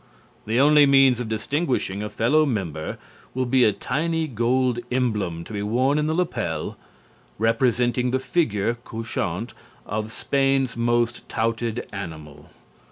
The only means of distinguishing a fellow member will be a tiny gold emblem, to be worn in the lapel, representing the figure (couchant) of Spain's most touted animal.